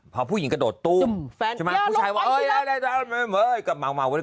พอผู้หญิงกระโดดตู้มใช่ไหมผู้ชายว่าเฮ้ยเฮ้ยเฮ้ย